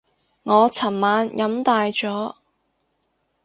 我尋晚飲大咗